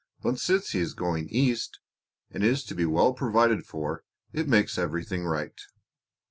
But since he is going East and is to be well provided for it makes everything right."